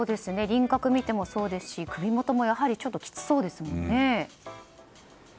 輪郭を見てもそうですし首元もやはりちょっときつそうですもんね。